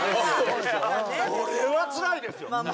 これはつらいですよ